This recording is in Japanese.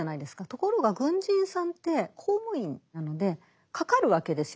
ところが軍人さんって公務員なのでかかるわけですよ